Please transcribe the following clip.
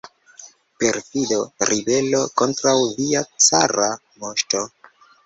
Perfido, ribelo kontraŭ via cara moŝto!